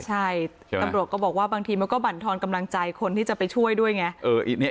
ใช่ตำรวจก็บอกว่าบางทีมันก็บรรทอนกำลังใจคนที่จะไปช่วยด้วยไง